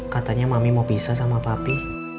katanya mami mau pisah sama papi